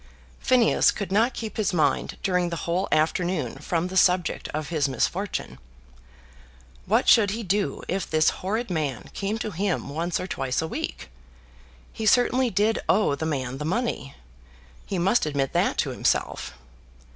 Phineas could not keep his mind during the whole afternoon from the subject of his misfortune. What should he do if this horrid man came to him once or twice a week? He certainly did owe the man the money. He must admit that to himself.